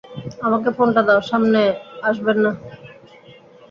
আমাকে ফোনটা দাও, সামনে আসবেন না।